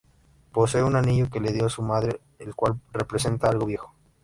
Posee un anillo que le dio su madre, el cual representa "algo viejo".